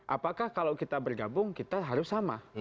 apakah kalau kita bergabung kita harus sama